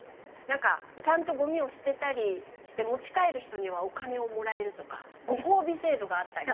なんかちゃんとごみを捨てたりして持ち帰る人にはお金をもらえるとかご褒美制度があったりとか。